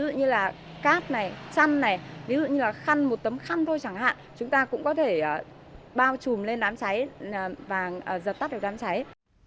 chăn này ví dụ như là khăn một tấm khăn thôi chẳng hạn chúng ta cũng có thể bao chùm lên đám cháy và giật tắt được đám cháy